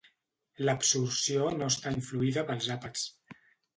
L'absorció no està influïda pels àpats.